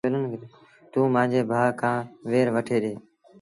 توݩ مآݩجي ڀآ کآݩ وير وٺي ڏي۔